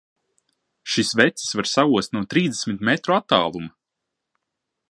Šis vecis var saost no trīsdesmit metru attāluma!